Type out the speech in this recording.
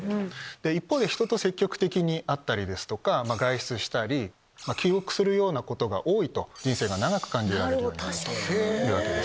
一方で人と積極的に会ったり外出したり記憶するようなことが多いと人生が長く感じられるようになる。